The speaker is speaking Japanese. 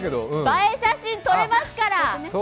映え写真、撮れますから。